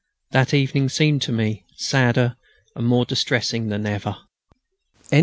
That evening seemed to me sadder and more distressing than ever.... III.